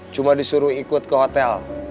cuma disuruh ikut ke hotel